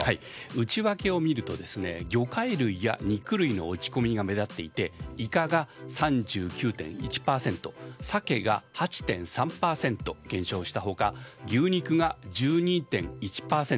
内訳を見ると魚介類や肉類の落ち込みが目立っていてイカが３９．１％サケが８．３％減少した他牛肉が１２．１％